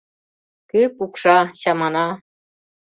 Кӧ пукша, чамана?